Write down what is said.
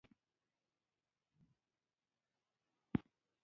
ډاکټران باید د خپل مسلک ډیر غږونه ثبت کړی